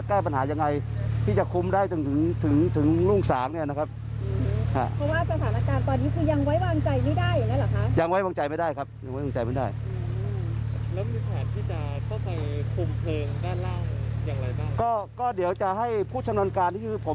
เขาใส่คุมเพลิงด้านล่างอย่างไรบ้างก็ก็เดี๋ยวจะให้ผู้ชำนวนการที่คือผม